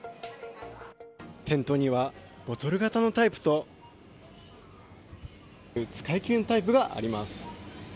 店頭にはボトル型のタイプと使い切りのタイプがあります。